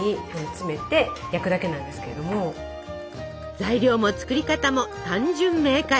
材料も作り方も単純明快。